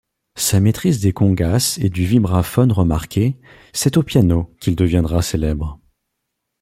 Sa maîtrise des congas et du vibraphone remarquée, c'est au piano qu'il deviendra célèbre.